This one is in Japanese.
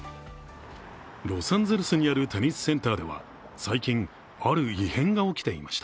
ロサンゼルスにある、テニスセンターでは、最近ある異変が起きていました。